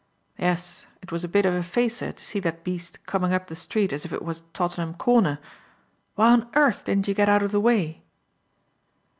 "Yes, it was a bit of a facer to see that beast coming up the street as if it was Tottenham Corner. Why on earth didn't you get out of the way?"